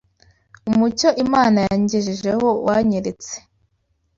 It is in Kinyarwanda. Umucyo Imana yangejejeho wanyeretse